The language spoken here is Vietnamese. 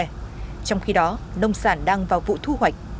trong khi đó nông sản đang vào vụ thu hoạch